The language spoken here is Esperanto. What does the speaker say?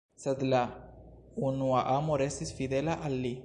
Sed la unua amo restis fidela al li.